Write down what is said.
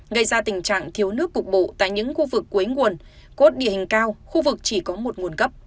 gây ra tình trạng thiếu nước cục bộ tại những khu vực cuối nguồn cốt địa hình cao khu vực chỉ có một nguồn cấp